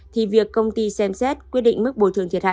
thì việc công ty xem xét quyết định mức bồi thường thiệt hại